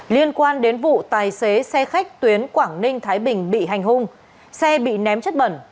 liên quan đến vụ tài xế xe khách tuyến quảng ninh thái bình bị hành hung xe bị ném chất bẩn